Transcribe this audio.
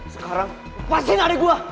sekarang pasin adek gue